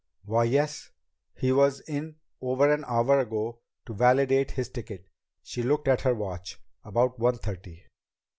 "Why, yes. He was in over an hour ago to validate his ticket." She looked at her watch. "About one thirty."